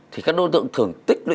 thì các đối tượng thường tích lũy